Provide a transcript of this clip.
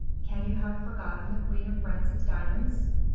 Can you have forgotten the queen of France's diamonds?